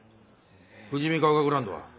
富士見ヶ丘グラウンドは？